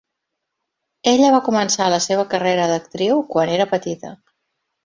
Ella va començar la seva carrera d'actriu quan era petita.